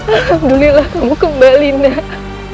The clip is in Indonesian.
alhamdulillah kamu kembali nak